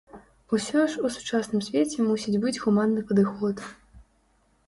Усё ж у сучасным свеце мусіць быць гуманны падыход.